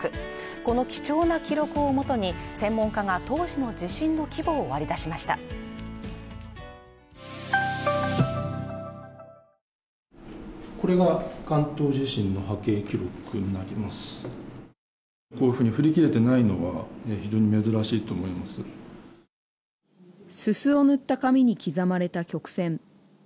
この貴重な記録をもとに専門家が当時の地震の規模を割り出しましたすすを塗った紙に刻まれた曲線